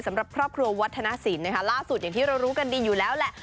สำหรับครอบครัววัฒนศิลป์นะคะล่าสุดอย่างที่เรารู้กันดีอยู่แล้วแหละ